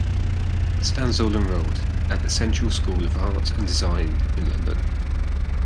Stanshall enrolled at the Central School of Art and Design in London.